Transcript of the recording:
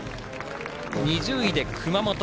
２０位で熊本。